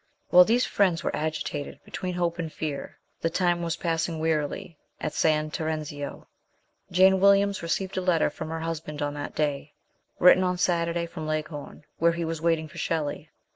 While these friends were agitated between hope and fear, the time was passing wearily at San Terenzio. Jane Williams received a letter from her husband on that day (written on Saturday from Leghorn) , where he was waiting for Shelley.